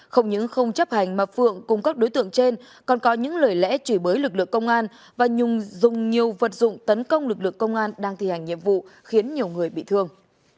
không những không chấp hành mà phượng cùng các đối tượng trên còn có những lời lẽ chửi bới lực lượng công an và dùng nhiều vật dụng tấn công lực lượng công an đang thi hành nhiệm vụ khiến nhiều người bị thương